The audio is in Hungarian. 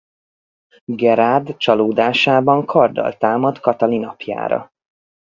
Gerard csalódásában karddal támad Katalin apjára.